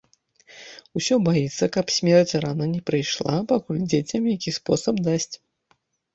Усё баіцца, каб смерць рана не прыйшла, пакуль дзецям які спосаб дасць.